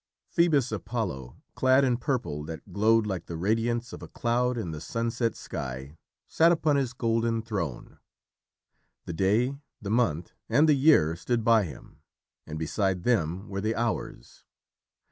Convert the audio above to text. Phœbus Apollo, clad in purple that glowed like the radiance of a cloud in the sunset sky, sat upon his golden throne. The Day, the Month, and the Year stood by him, and beside them were the Hours.